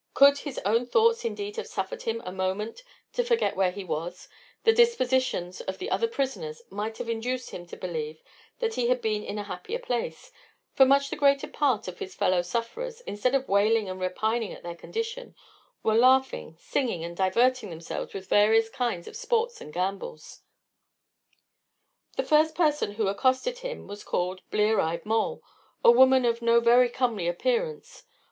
Could his own thoughts indeed have suffered him a moment to forget where he was, the dispositions of the other prisoners might have induced him to believe that he had been in a happier place: for much the greater part of his fellow sufferers, instead of wailing and repining at their condition, were laughing, singing, and diverting themselves with various kinds of sports and gambols. The first person who accosted him was called Blear eyed Moll, a woman of no very comely appearance.